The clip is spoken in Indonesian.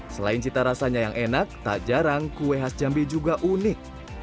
selain cita rasanya yang enak tak jarang kue khas jambi juga unik